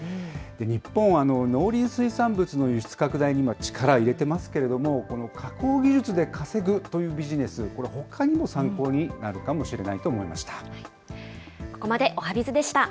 日本、農林水産物の輸出拡大には力を入れていますけれども、この加工技術で稼ぐというビジネス、これ、ほかにも参考になるかもしれないと思いました。